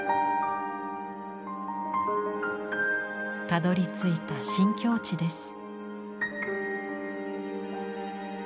たどりついた新境地です。